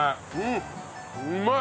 うまい。